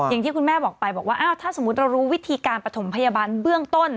อย่างที่คุณแม่บอกไปบอกว่าอ้าวถ้าสมมุติเรารู้วิธีการประถมพยาบาลเบื้องต้น